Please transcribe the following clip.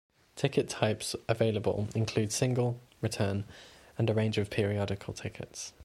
Ticket types available include single, return, and a range of periodical tickets.